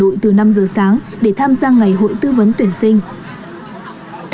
đội từ năm giờ sáng để tham gia ngày hội tư vấn tuyển sinh